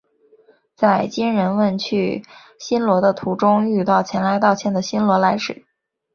在金仁问去新罗的途中遇到前来道歉的新罗来使。